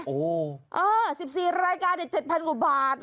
โอ้โฮเออ๑๔รายการเด็ด๗๐๐๐กว่าบาท